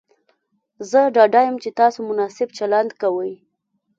زه ډاډه یم چې تاسو مناسب چلند کوئ.